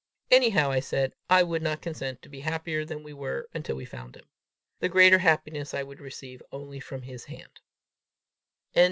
Anyhow, I said, I would not consent to be happier than we were, until we found him. The greater happiness I would receive only from his hand.